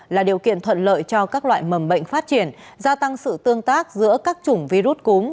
là điều kiện thuận lợi cho các loại mầm bệnh phát triển gia tăng sự tương tác giữa các chủng virus cúm